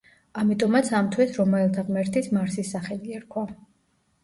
ამიტომაც ამ თვეს რომაელთა ღმერთის მარსის სახელი ერქვა.